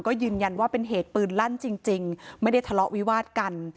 ก็ยืนยันว่าเป็นเหตุปืนลั่นจริงไม่ได้ทะเลาะวิวาดกัน